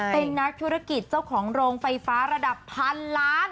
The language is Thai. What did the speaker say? เป็นนักธุรกิจเจ้าของโรงไฟฟ้าระดับพันล้าน